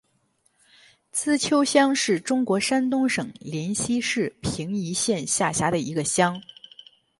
资邱乡是中国山东省临沂市平邑县下辖的一个乡。